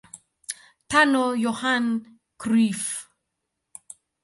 Tano Yohan Cruyff